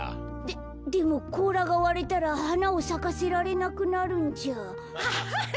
ででもこうらがわれたらはなをさかせられなくなるんじゃ。